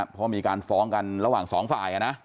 เพราะมีการฟ้องกันระหว่างสองฝ่าย